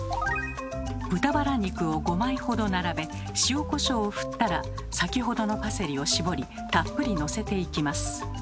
豚バラ肉を５枚ほど並べ塩こしょうをふったら先ほどのパセリを絞りたっぷりのせていきます。